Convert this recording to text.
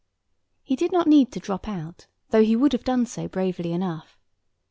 He did not need to drop out, though he would have done so bravely enough.